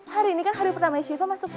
hari ini kan hari pertama syifa masuk pk